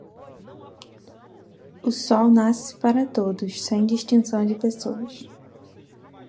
O Sol nasce para todos, sem distinção de pessoas.